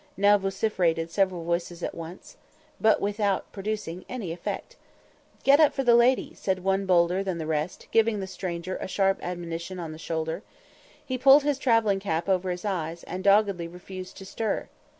now vociferated several voices at once, but without producing any effect. "Get up for this lady," said one bolder than the rest, giving the stranger a sharp admonition on the shoulder. He pulled his travelling cap over his eyes, and doggedly refused to stir.